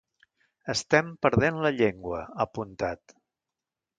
“Estem perdent la llengua”, ha apuntat.